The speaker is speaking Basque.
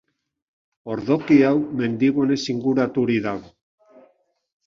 Ordoki hau mendigunez inguraturik dago.